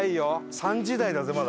３時台だぜまだ。